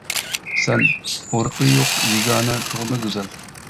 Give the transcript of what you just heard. سەن ئۇرۇقى يوق يېگانە تۇغما گۈزەل.